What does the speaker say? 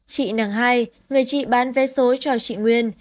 chị nàng hai người chị bán vé số cho chị nguyên